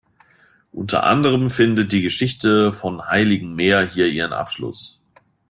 Unter anderem findet die Geschichte von Heiligen Meer hier ihren Abschluss.